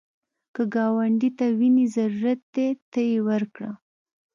که ګاونډي ته وینې ضرورت دی، ته یې ورکړه